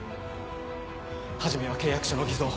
初めは契約書の偽造。